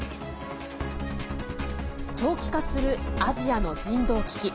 長期化するアジアの人道危機。